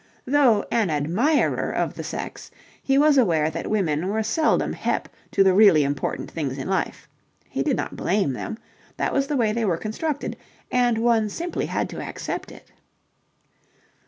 Though an admirer of the sex, he was aware that women were seldom hep to the really important things in life. He did not blame them. That was the way they were constructed, and one simply had to accept it.